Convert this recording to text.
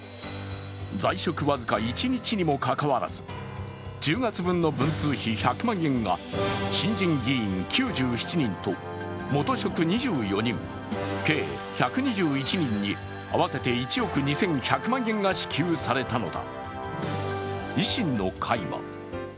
在職僅か一日にもかかわらず、１０月分の文通費１００万円が新人議員９７人と元職２４人、計１２１人に合わせて１億２１００万円が支給されたのだ。